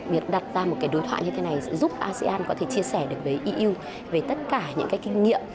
việc đặt ra một cái đối thoại như thế này sẽ giúp asean có thể chia sẻ được với eu về tất cả những cái kinh nghiệm